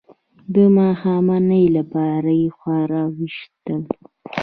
د ماښامنۍ لپاره یې خواړه ویشل.